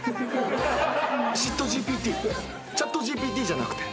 シットＧＰＴ？ＣｈａｔＧＰＴじゃなくて？